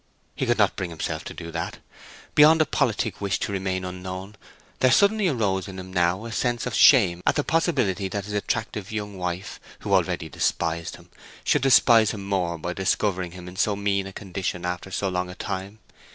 He could not bring himself to do that. Beyond a politic wish to remain unknown, there suddenly arose in him now a sense of shame at the possibility that his attractive young wife, who already despised him, should despise him more by discovering him in so mean a condition after so long a time.